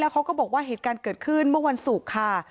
เขาก็บอกว่าเหตุการณ์เกิดขึ้นเมื่อวันศุกร์ค่ะ